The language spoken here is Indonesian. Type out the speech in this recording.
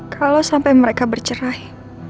kalau sampai mereka bercerai